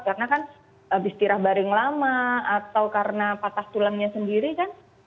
karena kan habis tirah baring lama atau karena patah tulangnya sendiri kan